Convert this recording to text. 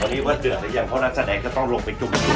เพราะว่าเดือดอย่างพวกนักแสดงก็ต้องลงไปจุบนิดนึง